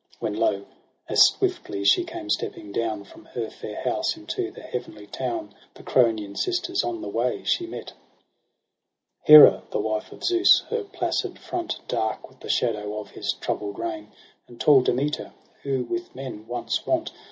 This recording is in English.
When lo ! as swiftly she came stepping down From her fair house into the heavenly town The Kronian sisters on the way she met ; Hera, the Wife of Zeus, her placid front Dark with the shadow of his troubl'd reign. And tail Demeter, who with men once wont.